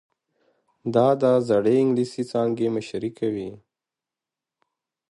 دا د زړې انګلیسي څانګې مشري کوي.